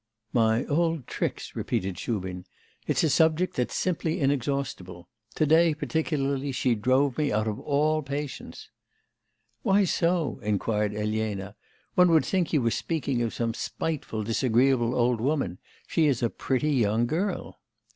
'My old tricks!' repeated Shubin. 'It's a subject that's simply inexhaustible! To day, particularly, she drove me out of all patience.' 'Why so?' inquired Elena. 'One would think you were speaking of some spiteful, disagreeable old woman. She is a pretty young girl.